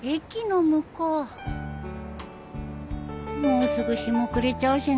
もうすぐ日も暮れちゃうしな